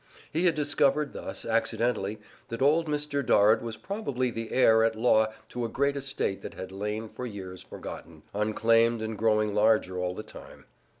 He had discovered thus, accidentally, that old Mr. Dorrit was probably the heir at law to a great estate that had lain for years forgotten, unclaimed and growing larger all the time.